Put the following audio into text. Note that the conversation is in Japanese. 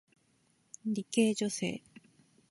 理系女性